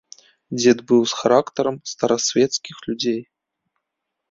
Дзед быў з характарам старасвецкіх людзей.